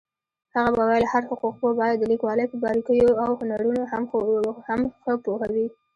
هغە به ویل هر حقوقپوه باید د لیکوالۍ په باريكييواو هنرونو هم ښه پوهوي.